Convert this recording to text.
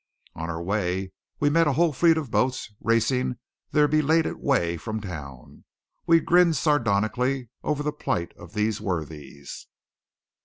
On our way we met a whole fleet of boats racing their belated way from town. We grinned sardonically over the plight of these worthies.